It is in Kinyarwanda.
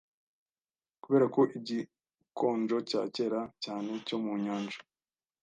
Kubera ko igikonjo cya kera cyane cyo mu nyanja